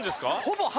ほぼ。